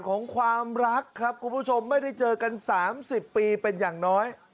ของความรักครับคุณผู้ชมไม่ได้เจอกัน๓๐ปีเป็นอย่างน้อย